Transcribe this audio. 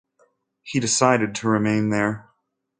He decided to remain there.